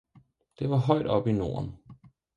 det var høit oppe i Norden.